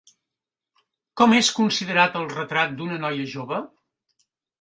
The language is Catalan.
Com és considerat el Retrat d'una noia jove?